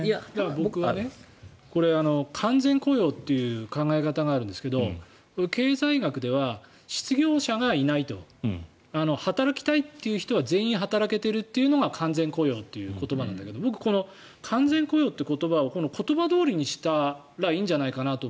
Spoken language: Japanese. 僕は、完全雇用という考え方があるんですけど経済学では、失業者がいないと働きたいという人は全員働けてるというのが完全雇用という言葉なんだけど僕、完全雇用という言葉を言葉どおりにしたらいいんじゃないかなと。